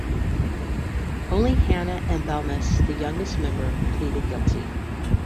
Only Hannah and Belmas, the youngest member, pleaded guilty.